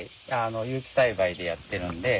有機栽培でやってるんで。